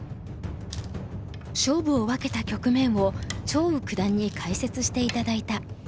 勝負を分けた局面を張栩九段に解説して頂いた。